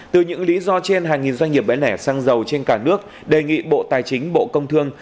từ những lý do trên hàng nghìn doanh nghiệp bé lẻ xăng dầu trên cả nước đề nghị bộ tài chính bộ công thương